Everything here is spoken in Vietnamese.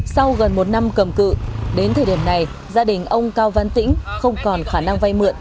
sau gần một năm cầm cự đến thời điểm này gia đình ông cao văn tĩnh không còn khả năng vay mượn